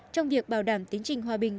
trong việc bảo đảm tiến trình hòa bình